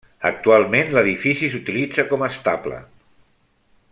Actualment l'edifici s'utilitza com a estable.